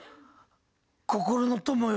心の友よ。